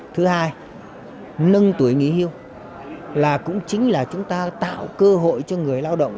thứ hai nâng tuổi nghỉ hưu là cũng chính là chúng ta tạo cơ hội cho người lao động